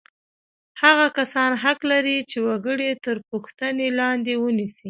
هغه کسان حق لري چې وګړي تر پوښتنې لاندې ونیسي.